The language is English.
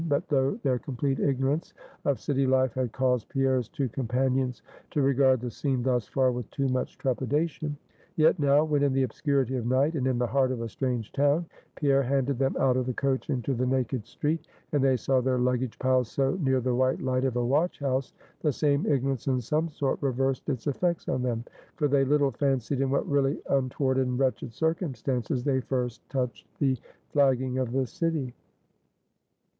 But though their complete ignorance of city life had caused Pierre's two companions to regard the scene thus far with too much trepidation; yet now, when in the obscurity of night, and in the heart of a strange town, Pierre handed them out of the coach into the naked street, and they saw their luggage piled so near the white light of a watch house, the same ignorance, in some sort, reversed its effects on them; for they little fancied in what really untoward and wretched circumstances they first touched the flagging of the city.